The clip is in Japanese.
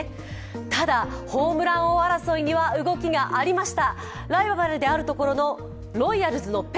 ただ、ホームラン王争いには動きがありました。